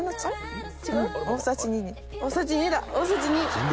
大さじ２！